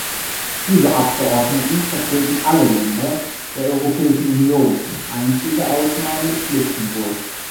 Diese Abgeordneten vertreten alle Länder der Europäischen Union, einzige Ausnahme ist Luxemburg.